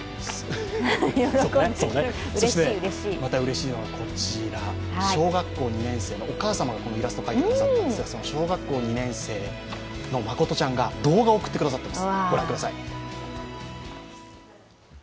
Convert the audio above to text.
またうれしいのはこちら小学校２年生のお母様がこのイラストを描いてくださって、小学校２年生のまことちゃんが動画を送ってくださってます。